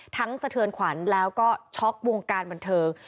สะเทือนขวัญแล้วก็ช็อกวงการบันเทิง